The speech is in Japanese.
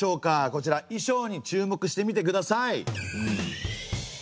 こちら衣装に注目してみてください。